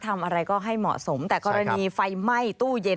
ทำอะไรก็ให้เหมาะสมแต่กรณีไฟไหม้ตู้เย็น